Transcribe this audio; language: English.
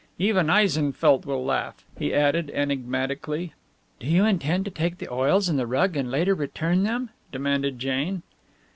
Even Eisenfeldt will laugh," he added, enigmatically. "Do you intend to take the oils and the rug and later return them?" demanded Jane.